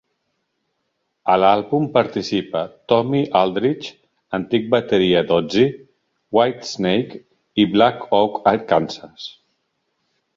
A l'àlbum participa Tommy Aldridge, antic bateria d'Ozzy, Whitesnake i Black Oak Arkansas.